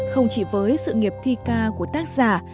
không chỉ với sự nghiệp thi ca của tác giả